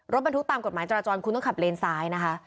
รถบรรทุกตามกฎหมายจราจรคุณต้องขับเลนซ้ายนะคะ